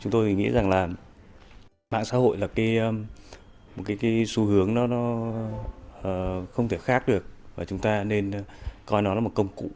chúng tôi nghĩ rằng là mạng xã hội là cái xu hướng nó không thể khác được và chúng ta nên coi nó là một công cụ